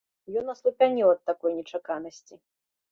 Ён аслупянеў ад такой нечаканасці.